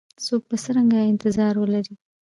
څوک به څرنګه انتظار ولري؟